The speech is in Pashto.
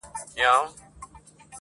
سپرلي حُسن ګلاب رنګ ترې زکات غواړي.